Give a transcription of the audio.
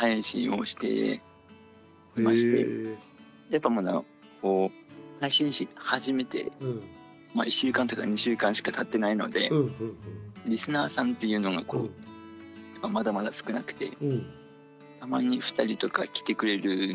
やっぱまだこう配信し始めて１週間とか２週間しかたってないのでリスナーさんっていうのがこうまだまだ少なくてたまに２人とか来てくれるんですけどもなんか雑談というか。